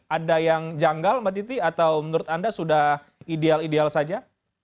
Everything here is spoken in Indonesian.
ada yang janggal mbak titi atau menurut anda sudah ideal ideal saja